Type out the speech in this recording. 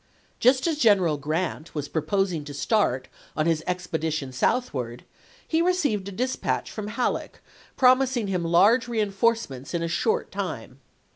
Just as General Grant was proposing to start on his expedition southward, he received a dispatch from Halleck promising him large reinforcements in a short time.